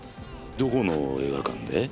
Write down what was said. どこの映画館で？